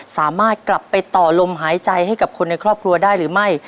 สามารถกลับไปต่อลมหายใจให้กับคนในครอบครัวได้หรือไม่